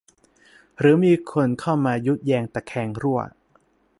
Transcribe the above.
หรือมีคนเข้ามายุแยงตะแคงรั่ว